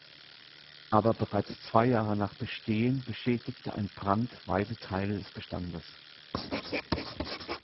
Aber bereits zwei Jahre nach Bestehen beschädigte ein Brand weite Teile des Bestandes.